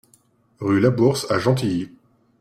Rue Labourse à Gentilly